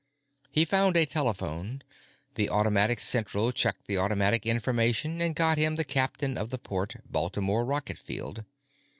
He found a telephone. The automatic Central checked the automatic Information and got him the Captain of the Port, Baltimore Rocket Field.